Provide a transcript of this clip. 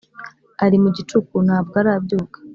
Ari mu gicuku nabwo arabyuka